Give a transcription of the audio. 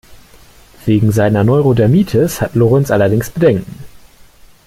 Wegen seiner Neurodermitis hat Lorenz allerdings Bedenken.